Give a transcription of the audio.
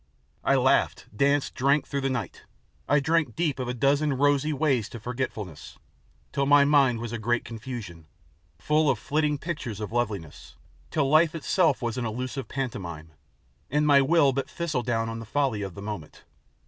I laughed, danced, drank, through the night; I drank deep of a dozen rosy ways to forgetfulness, till my mind was a great confusion, full of flitting pictures of loveliness, till life itself was an illusive pantomime, and my will but thistle down on the folly of the moment.